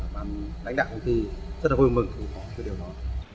đánh đạng công ty rất là vui mừng khi có điều đó